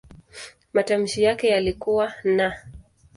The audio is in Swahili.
Matamshi yake yalikuwa "n".